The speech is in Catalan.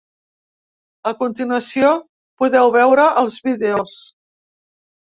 A continuació podeu veure els vídeos.